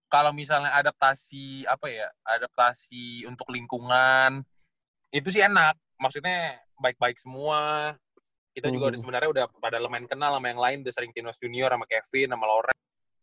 kalau misalnya adaptasi apa ya adaptasi untuk lingkungan itu sih enak maksudnya baik baik semua kita juga sebenarnya udah pada lemen kenal sama yang lain udah sering tinos junior sama kevin sama laura